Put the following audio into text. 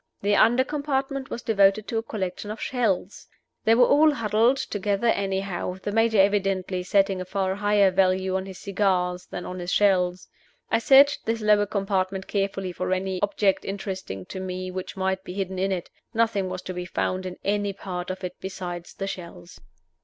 The under compartment was devoted to a collection of shells. They were all huddled together anyhow, the Major evidently setting a far higher value on his cigars than on his shells. I searched this lower compartment carefully for any object interesting to me which might be hidden in it. Nothing was to be found in any part of it besides the shells.